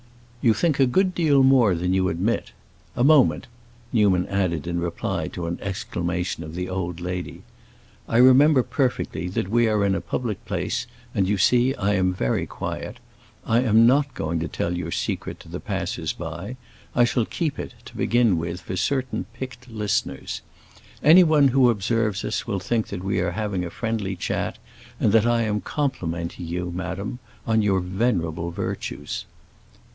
"You think a good deal more than you admit. A moment," Newman added in reply to an exclamation of the old lady. "I remember perfectly that we are in a public place, and you see I am very quiet. I am not going to tell your secret to the passers by; I shall keep it, to begin with, for certain picked listeners. Anyone who observes us will think that we are having a friendly chat, and that I am complimenting you, madam, on your venerable virtues."